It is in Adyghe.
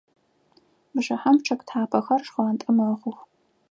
Бжыхьэм чъыг тхьапэхэр шхъуантӏэ мэхъух.